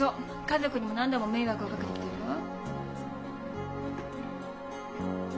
家族にも何度も迷惑をかけてきてるわ。